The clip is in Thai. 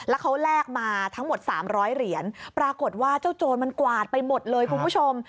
แล้วเขาแลกมาทั้งหมด๓๐๐เหรียญปรากฏว่าเจ้าโจรมันกวาดไปหมดเลยคุณผู้ชม